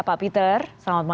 pak peter selamat malam